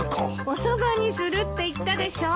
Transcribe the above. おそばにするって言ったでしょ。